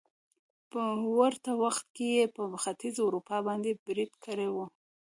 په ورته وخت کې يې په ختيځې اروپا باندې بريد کړی وو